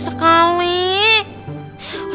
otaknya gendengnya sama sekali